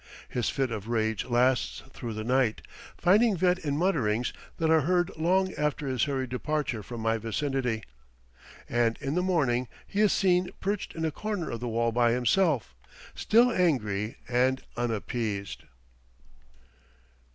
His fit of rage lasts through the night, finding vent in mutterings that are heard long after his hurried departure from my vicinity, and in the morning he is seen perched in a corner of the wall by himself, still angry and unappeased.